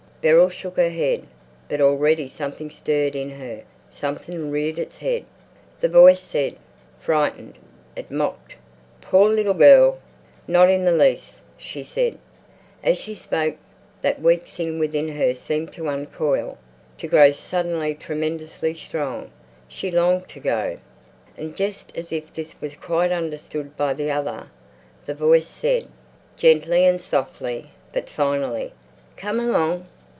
Beryl shook her head. But already something stirred in her, something reared its head. The voice said, "Frightened?" It mocked, "Poor little girl!" "Not in the least," said she. As she spoke that weak thing within her seemed to uncoil, to grow suddenly tremendously strong; she longed to go! And just as if this was quite understood by the other, the voice said, gently and softly, but finally, "Come along!"